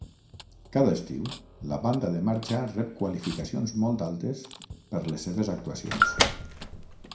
Cada estiu, la banda de marxa rep qualificacions molt altes per les seves actuacions.